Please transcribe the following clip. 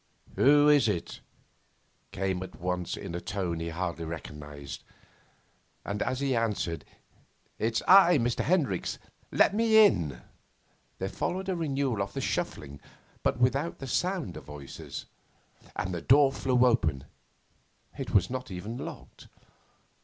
'Who is it?' came at once, in a tone he hardly recognised. And, as he answered, 'It's I, Mr. Hendricks; let me in,' there followed a renewal of the shuffling, but without the sound of voices, and the door flew open it was not even locked.